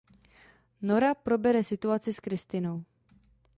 Nora probere situaci s Kristinou.